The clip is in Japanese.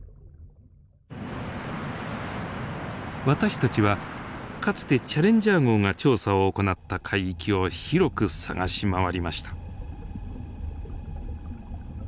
私たちはかつてチャレンジャー号が調査を行った海域を広く探し回りました。